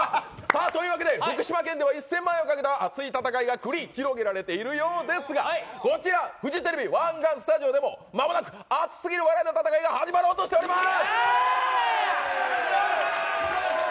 ということで福島県では１０００万円をかけた熱い戦いが繰り広げられているようですがこちらフジテレビ湾岸スタジオでも間もなく熱すぎる戦いが始まろうとしています。